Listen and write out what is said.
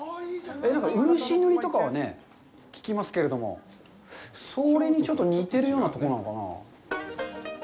漆塗りとかは聞きますけれども、それにちょっと似てるようなところなのかな。